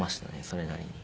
それなりに。